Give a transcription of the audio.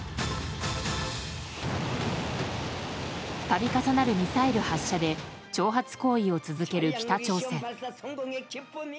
度重なるミサイル発射で挑発行為を続ける北朝鮮。